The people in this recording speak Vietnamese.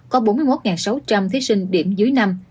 có bốn mươi một sáu trăm linh thí sinh điểm dưới năm